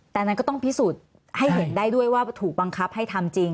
แต่อันนั้นก็ต้องพิสูจน์ให้เห็นได้ด้วยว่าถูกบังคับให้ทำจริง